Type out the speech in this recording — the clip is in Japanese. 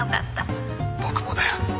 「僕もだよ」